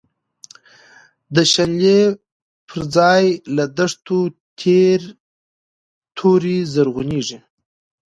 د شنلی پر ځای له دښتو، تیری توری زرغونیږی